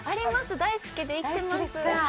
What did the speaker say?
大好きで行ってました。